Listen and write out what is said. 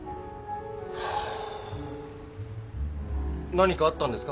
何かあったんですか？